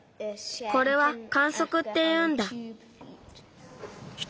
これは管足っていうんだ。